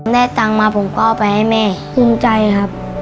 ได้ตังค์มาผมก็เอาไปให้แม่ภูมิใจครับ